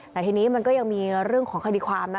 แต่ทีนี้มันก็ยังมีเรื่องของคดีความนะ